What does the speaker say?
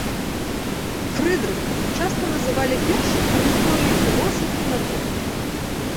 Фрыдрыха часта называлі першым у гісторыі філосафам на троне.